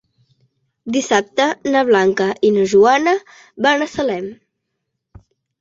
Dissabte na Blanca i na Joana van a Salem.